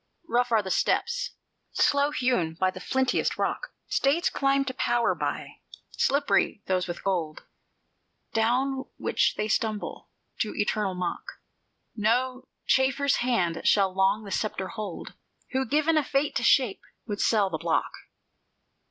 "Rough are the steps, slow hewn in flintiest rock, States climb to power by; slippery those with gold Down which they stumble to eternal mock: No chafferer's hand shall long the sceptre hold, Who, given a Fate to shape, would sell the block.